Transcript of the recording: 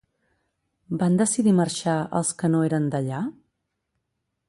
Van decidir marxar els que no eren d'allà?